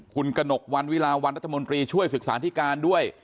คุณกระหนกวันวิลาวันรัฐมนตรีช่วยศึกษาธิการด้วย